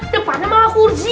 depannya malah kursi